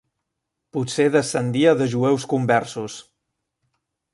Potser descendia de jueus conversos.